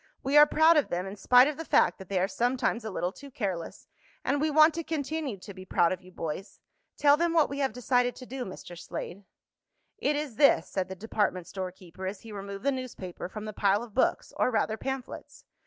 We are proud of them in spite of the fact that they are sometimes a little too careless, and we want to continue to be proud of you, boys. Tell them what we have decided to do, Mr. Slade." "It is this," said the department store keeper, as he removed the newspaper from the pile of books, or rather, pamphlets.